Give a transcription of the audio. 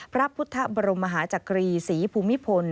พระพุทธบรมมหาจักรีศรีภูมิพล